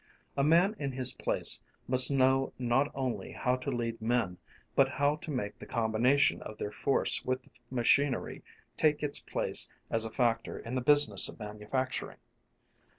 A man in his place must know not only how to lead men, but how to make the combination of their force with the machinery take its place as a factor in the business of manufacturing.